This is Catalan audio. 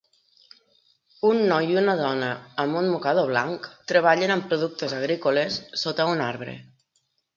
Un noi i una dona amb un mocador blanc treballen amb productes agrícoles sota un arbre.